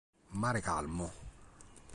Mare calmo.